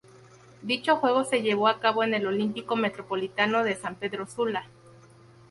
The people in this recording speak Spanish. Dicho juego se llevó a cabo en el Olímpico Metropolitano de San Pedro Sula.